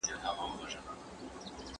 ¬ خر چي پر گزاره مړ سي، شهيد دئ.